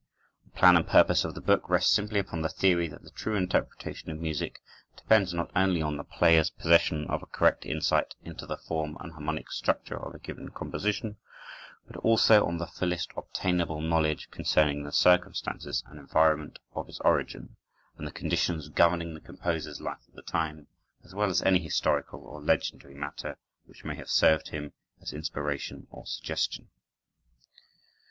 The plan and purpose of the book rest simply upon the theory that the true interpretation of music depends not only on the player's possession of a correct insight into the form and harmonic structure of a given composition, but also on the fullest obtainable knowledge concerning the circumstances and environment of its origin, and the conditions governing the composer's life at the time, as well as any historical or legendary matter which may have served him as inspiration or suggestion.